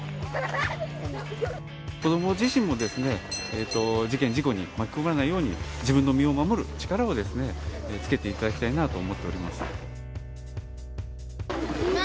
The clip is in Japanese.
子ども自身もですね、事件事故に巻き込まれないように、自分の身を守る力をつけていただきたいなと思っております。